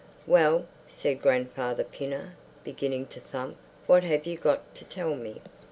"Well," said Grandfather Pinner, beginning to thump, "what have you got to tell me?"